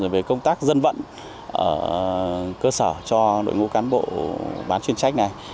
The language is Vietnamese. về công tác dân vận cơ sở cho đội ngũ cán bộ bán chuyên trách này